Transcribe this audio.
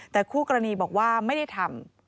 แต่คู่กรณีบอกว่าไม่ได้ทำ